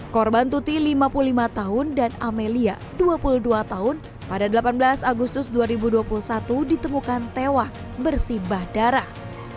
korban tuti lima puluh lima tahun dan amelia dua puluh dua tahun pada delapan belas agustus dua ribu dua puluh satu ditemukan tewas bersibah darah